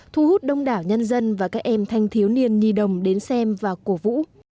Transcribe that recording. thu hút đông đảo nhân dân và các em thanh thiếu niên nhi đồng đến xem và cổ vũ